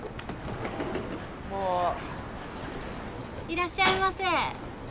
いらっしゃいませ！